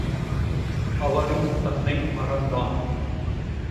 அவனும் தன்னை மறந்தான்.